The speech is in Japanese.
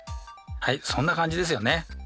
はいそんな感じですよね。